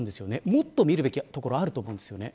もっと見るべきところがあると思うんですよね。